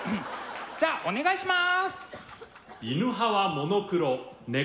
じゃあお願いします。